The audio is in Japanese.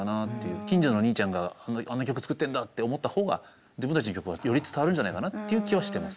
近所のお兄ちゃんがあんな曲作ってんだって思った方が自分たちの曲はより伝わるんじゃないかなっていう気はしてます。